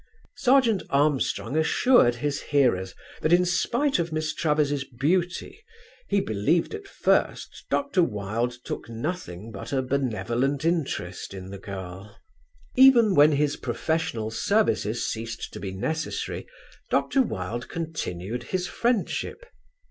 Serjeant Armstrong assured his hearers that in spite of Miss Travers' beauty he believed that at first Dr. Wilde took nothing but a benevolent interest in the girl. Even when his professional services ceased to be necessary, Dr. Wilde continued his friendship.